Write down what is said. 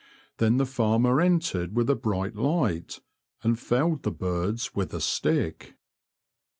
Then the farmer entered with a bright light and felled the birds with a stick.